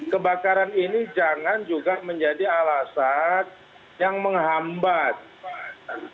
kebakaran ini jangan juga menjadi alasan yang menghambat